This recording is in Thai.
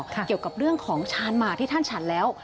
เกี่ยวกับเรื่องของชาญหมากที่ท่านฉันแล้ว